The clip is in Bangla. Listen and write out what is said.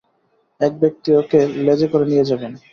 এক ব্যক্তি ওঁকে লেজে করে নিয়ে যাবেন।